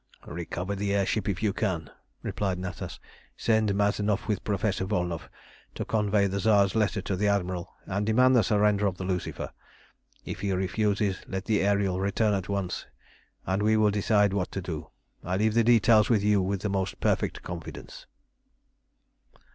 "Recover the air ship if you can," replied Natas. "Send Mazanoff with Professor Volnow to convey the Tsar's letter to the Admiral, and demand the surrender of the Lucifer. If he refuses, let the Ariel return at once, and we will decide what to do. I leave the details with you with the most perfect confidence."